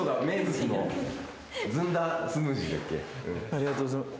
ありがとうございます。